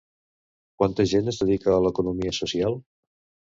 Quanta gent es dedica a l'economia social?